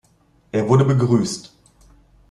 Er wurde begrüßt.